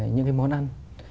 những cái món ăn